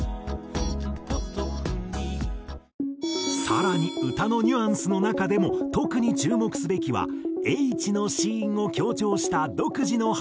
更に歌のニュアンスの中でも特に注目すべきは「Ｈ」の子音を強調した独自の発声だという。